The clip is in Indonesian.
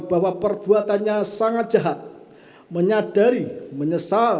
bahwa perbuatannya sangat jahat menyadari menyesal dan mencari kebenaran yang tidak terdapat